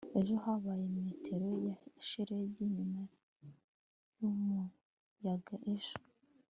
ejo habaye metero ya shelegi nyuma yumuyaga ejo